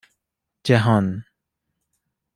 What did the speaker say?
جهان